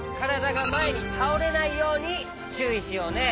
がまえにたおれないようにちゅういしようね。